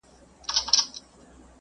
ښه ذهنیت ځواک نه ځنډوي.